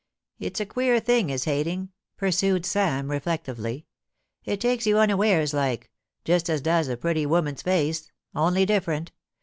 It's a queer thing is hating,' pursued Sam, reflectively. * It takes you unawares like — ^just as does a pretty woman's face, only different.